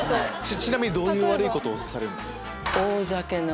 ちなみにどういう悪いことをされるんですか？